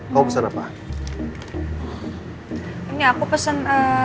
sebentar ya pak bu saya ambilkan menu